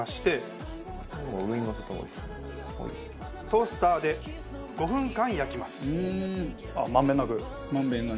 トースターで５分間焼きます。